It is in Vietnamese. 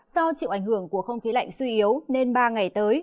do chịu ảnh hưởng của không khí lạnh suy yếu nên ba ngày tới